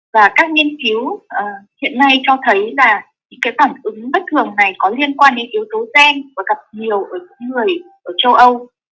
và các nghiên cứu hiện nay cho thấy là những phản ứng bất thường này có liên quan đến yếu tố gen và gặp nhiều người ở châu âu